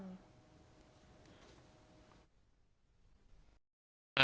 จนกระทั่งหลานชายที่ชื่อสิทธิชัยมั่นคงอายุ๒๙เนี่ยรู้ว่าแม่กลับบ้าน